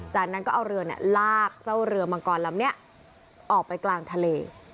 จากนั้นก็เอาเรือลากเจ้าเรือมังกรลำนี้ออกไปกลางทะเล